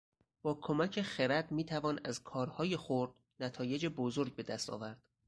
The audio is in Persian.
با کمک خرد میتوان از کارهای خرد نتایچ بزرگ به دست آورد